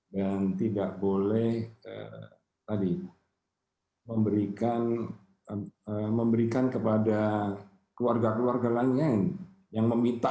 dan tidak boleh memberikan kepada keluarga keluarga lain yang meminta